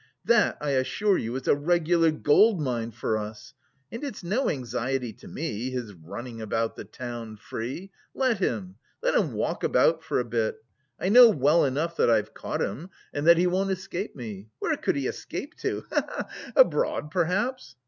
That I assure you is a regular gold mine for us. And it's no anxiety to me, his running about the town free! Let him, let him walk about for a bit! I know well enough that I've caught him and that he won't escape me. Where could he escape to, he he? Abroad, perhaps?